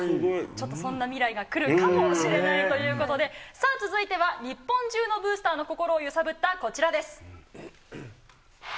ちょっとそんな未来が来るかもしれないということで、さあ、続いては、日本中のブースターの心を揺さぶったこちらです。